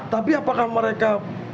tapi apakah mereka